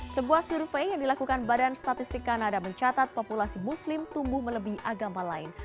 sebuah survei yang dilakukan badan statistik kanada mencatat populasi muslim tumbuh melebih agama lain